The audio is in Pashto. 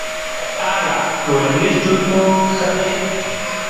ایا ټولنیز ژوند مو ښه دی؟